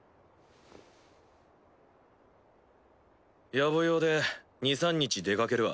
ヤボ用で２３日出かけるわ。